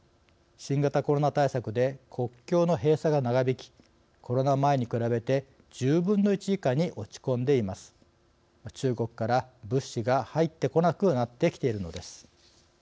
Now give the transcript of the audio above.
新型コロナ対策で国境の閉鎖が長引きコロナ前に比べ１０分の１以下に落ち込んでいます。中国から物資が入ってこなくなってきているのです。